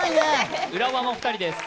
浦和の２人です。